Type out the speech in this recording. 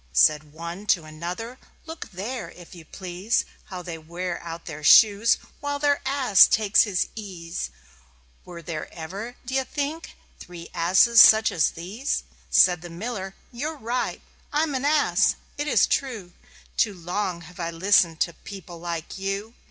Said one to another: "Look there, if you please, How they wear out their shoes, while their Ass takes his ease. Were there ever, d'ye think, three such asses as these?" Said the Miller: "You're right. I'm an Ass! It is true. Too long have I listened to people like you.